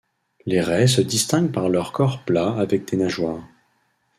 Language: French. Les raies se distinguent par leur corps plat avec des nageoires.